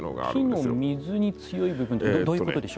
木の水に強い部分ってどういうことでしょう？